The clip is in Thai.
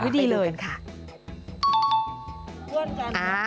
ดีเลยไปลุกันค่ะ